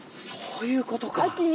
そういうことか。